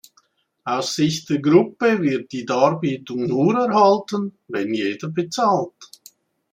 Aus Sicht der Gruppe wird die Darbietung nur erhalten, wenn jeder bezahlt.